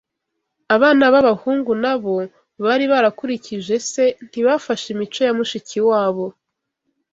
Abana babahungu nabo bari barakurikije se ntibafashe imico yamushiki wa bo